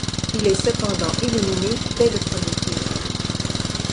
Il est cependant éliminé dès le premier tour.